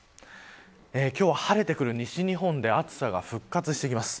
今日は晴れてくる西日本で暑さが復活してきます。